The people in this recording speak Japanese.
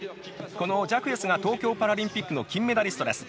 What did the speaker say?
このジャクエスが東京パラリンピックの金メダリストです。